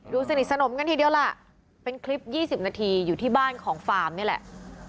สนิทสนมกันทีเดียวล่ะเป็นคลิป๒๐นาทีอยู่ที่บ้านของฟาร์มนี่แหละ